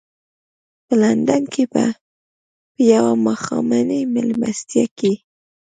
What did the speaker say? په لندن کې په یوه ماښامنۍ مېلمستیا کې.